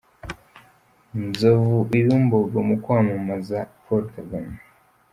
Nzovu i Bumbogo mu kwamamaza Paul Kagame.